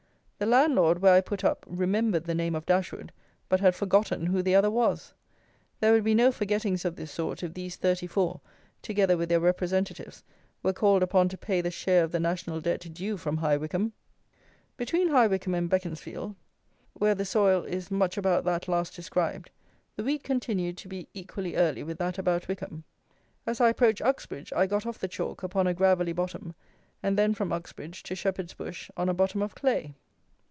The landlord where I put up "remembered" the name of Dashwood, but had "forgotten" who the "other" was! There would be no forgettings of this sort, if these thirty four, together with their representatives, were called upon to pay the share of the National Debt due from High Wycombe. Between High Wycombe and Beaconsfield, where the soil is much about that last described, the wheat continued to be equally early with that about Wycombe. As I approached Uxbridge I got off the chalk upon a gravelly bottom, and then from Uxbridge to Shepherd's Bush on a bottom of clay.